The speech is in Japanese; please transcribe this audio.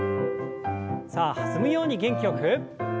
さあ弾むように元気よく。